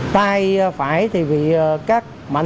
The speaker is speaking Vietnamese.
tay phải thì bị các mảnh